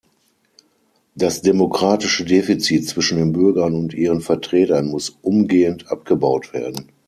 Das demokratische Defizit zwischen den Bürgern und ihren Vertretern muss umgehend abgebaut werden.